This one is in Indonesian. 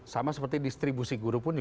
sama seperti distribusi guru pun